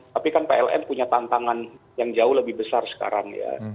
tapi kan pln punya tantangan yang jauh lebih besar sekarang ya